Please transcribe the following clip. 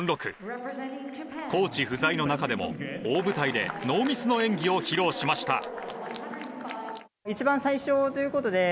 コーチ不在の中でも大舞台でノーミスの演技を披露しました。